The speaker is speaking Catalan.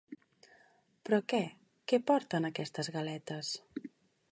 Però què, què porten, aquestes galetes?